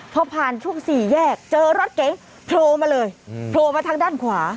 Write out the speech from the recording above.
พอผ่านช่วงสี่แยกเจอรถเก๋งโผล่มาเลยโผล่มาทางด้านขวา